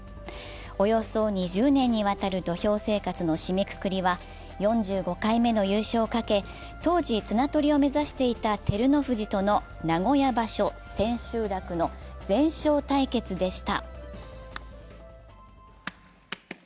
およそ２０年にわたる土俵生活の締めくくりは４５回目の優勝をかけ、当時綱取りを目指していた照ノ富士との名古屋場所千秋楽の全勝対決でした。